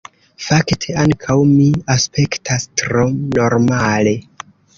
Fakte, ankaŭ mi aspektas tro normale.